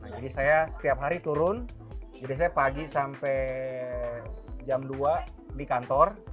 jadi saya setiap hari turun jadi saya pagi sampai jam dua di kantor